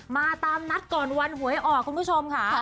มาตามนัดก่อนวันหวยออกคุณผู้ชมค่ะ